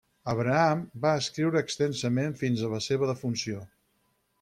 Abraham va escriure extensament fins a la seva defunció.